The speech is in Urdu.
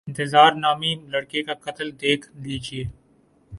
انتظار نامی لڑکے کا قتل دیکھ لیجیے۔